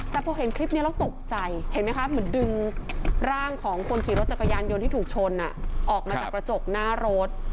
แต่พอเห็นคลิปนี้แล้วตกใจเห็นไหมคะเหมือนดึงร่างของคนขี่รถจักรยานยนต์ที่ถูกชนออกมาจากกระจกหน้ารถ